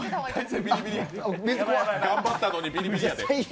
頑張ったのにビリビリやで。